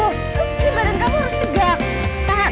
luruskan badan kamu harus tegak